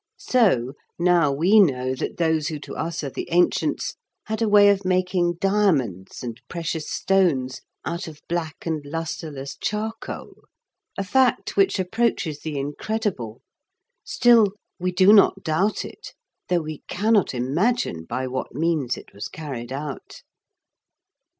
So now we know that those who to us are the ancients had a way of making diamonds and precious stones out of black and lustreless charcoal, a fact which approaches the incredible. Still, we do not doubt it, though we cannot imagine by what means it was carried out.